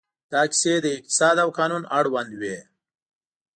دا کیسې د اقتصاد او قانون اړوند وې.